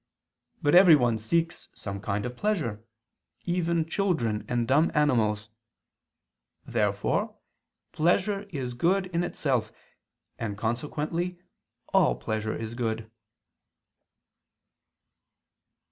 But everyone seeks some kind of pleasure, even children and dumb animals. Therefore pleasure is good in itself: and consequently all pleasure is good.